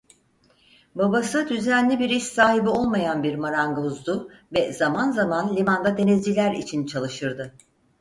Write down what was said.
Babası düzenli bir iş sahibi olmayan bir marangozdu ve zaman zaman limanda denizciler için çalışırdı.